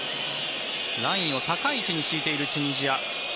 ラインを高い位置に敷いているチュニジア。